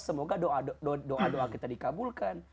semoga doa doa kita dikabulkan